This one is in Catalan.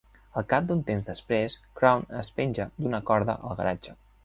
Al cap d'un temps després, Crown es penja d'una corda al garatge.